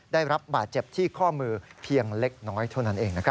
ได้รับบาดเจ็บที่ข้อมือเพียงเล็กน้อยเท่านั้นเอง